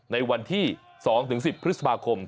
ในวันที่๒๑๐พฤษภาคม